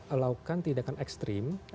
alahkan tidakkan ekstrim